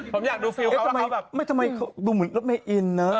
ผมอยากดูฟิวเขาแล้วเขาแบบไม่ทำไมดูเหมือนกับไม่อินเนอะ